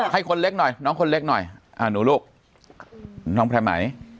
ให้คนเล็กหน่อยน้องคนเล็กหน่อยอ่าหนูลูกน้องแพร่ไหม